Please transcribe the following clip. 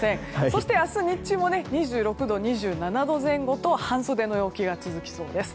そして明日日中も２６度２７度前後と半袖の陽気が続きそうです。